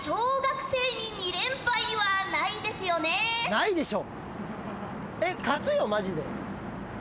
ないでしょ。